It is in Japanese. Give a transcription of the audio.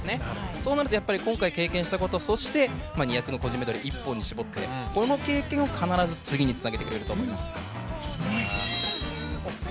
そうなると、やっぱり今回経験したこと、そして個人の２００ｍ、１本に絞ってこの経験を必ず次につなげてくれると思います。